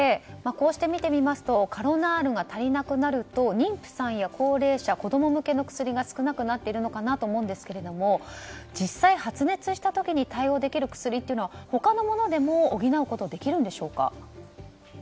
こうして見てみますとカロナールが足りなくなると妊婦さんや高齢者子供向けの薬が少なくなっているのかなと思うんですが実際、発熱した時に対応できる薬というのは他のものでも補うことはできるんでしょうか。